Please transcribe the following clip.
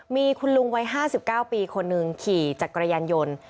มีคุณลุงวัย๕๙ปีคนหนึ่งขี่จักรยานยนต์